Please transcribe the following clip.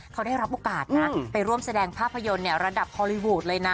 เขาได้รับโอกาสนะไปร่วมแสดงภาพยนตร์ระดับฮอลลีวูดเลยนะ